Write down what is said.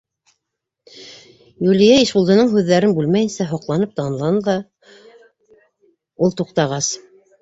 Юлия Ишбулдының һүҙҙәрен бүлмәйенсә һоҡланып тыңланы ла, ул туҡтағас: